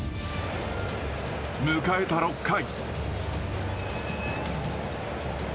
迎えた６回。